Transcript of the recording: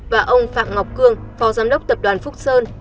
và ông phạm ngọc cương phó giám đốc tập đoàn phúc sơn